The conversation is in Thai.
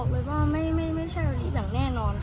บอกเลยว่าไม่ใช่โอลิฟต์อย่างแน่นอนค่ะ